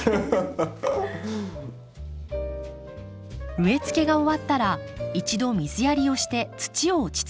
植え付けが終わったら一度水やりをして土を落ち着かせます。